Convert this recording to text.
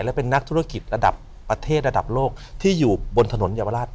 และเป็นนักธุรกิจระดับประเทศระดับโลกที่อยู่บนถนนเยาวราช